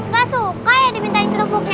gak suka ya dimintain kerupuknya